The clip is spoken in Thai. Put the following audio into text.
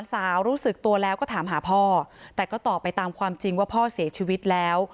สาวรู้สึกตัวแล้วก็ถามหาพ่อแต่ก็ตอบไปตามความจริงว่าพ่อเสียชีวิตแล้ว